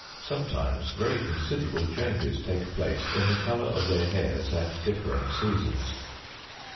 Sometimes very considerable changes take place in the colour of their hairs at different seasons.